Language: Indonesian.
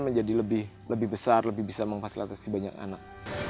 menjadi lebih besar lebih bisa memfasilitasi banyak anak